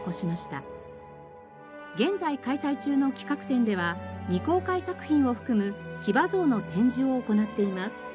現在開催中の企画展では未公開作品を含む騎馬像の展示を行っています。